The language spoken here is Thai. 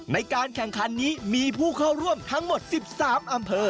ในการแข่งขันนี้มีผู้เข้าร่วมทั้งหมด๑๓อำเภอ